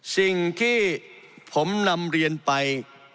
สิ่งที่ผมนำเรียนไป